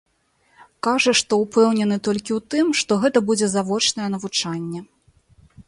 Кажа, што ўпэўнены толькі ў тым, што гэта будзе завочнае навучанне.